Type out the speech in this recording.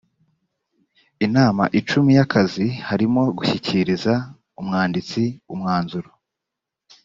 inama icumi y akazi harimo gushyikiriza umwanditsi umwanzuro